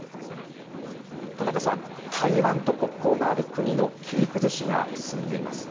田中さん、台湾と国交がある国の切り崩しが進んでいますね。